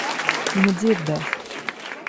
Viņa dzirdēs.